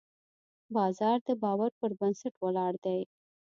بازار د باور پر بنسټ ولاړ دی.